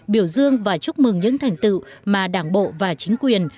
biểu dương và chúc mừng những thành tựu mà đảng bộ và chính quyền